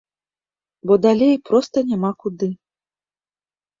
Бо далей проста няма куды.